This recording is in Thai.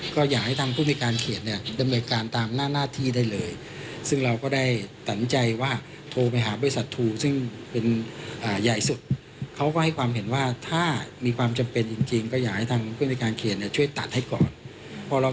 ก็อยากให้ทางคุณพิการเขียนเนี่ยดำเนินการตามหน้าหน้าที่ได้เลย